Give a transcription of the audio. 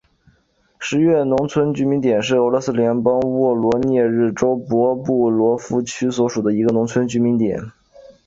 十月农村居民点是俄罗斯联邦沃罗涅日州博布罗夫区所属的一个农村居民点。